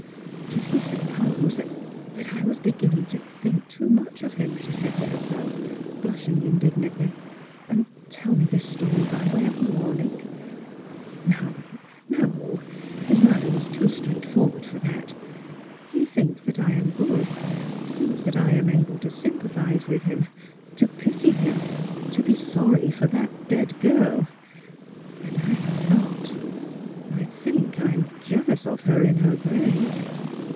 " Did he suppose that — that I was beginning to think too much of him," she said to herself, blushing indignantly, "and tell me this story by way of a warning ? O, no, no ! his manner was too straightforward for that. He thinks that I am good, thinks that I am able to sympathise with him, to pity him, to be sorry for that dead girl. And I am not. I think I am jealous of her in her grave."